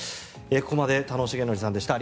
ここまで田野重徳さんでした。